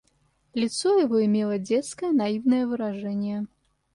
Лицо его имело детское, наивное выражение.